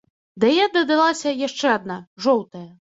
Да яе дадалася яшчэ адна, жоўтая.